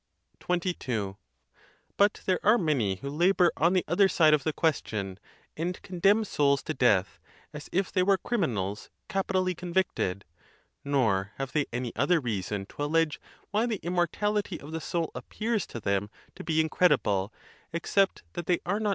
XXII. But there are many who labor on the other side of the question, and condemn souls to death, as if they were criminals capitally convicted; nor have they any other reason to allege why the immortality of the soul ap pears to them to be incredible, except that they are not ON THE CONTEMPT OF DEATH.